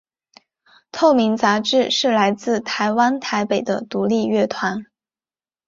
透明杂志是来自台湾台北的独立乐团。